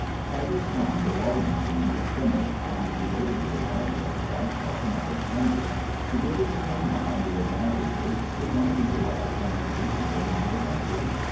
By this time the water machine was finished ; and we waited the arrival of the Bashaw from Alexandria, to give his opinion on the advantages which might be derived from introducing it into the country.